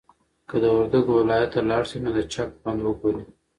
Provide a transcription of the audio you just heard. که د وردګو ولایت ته لاړ شې نو د چک بند وګوره.